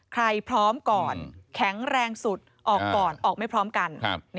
พร้อมก่อนแข็งแรงสุดออกก่อนออกไม่พร้อมกัน